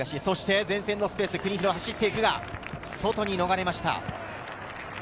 前線のスペースへ国広が走っていくが外に逃れました。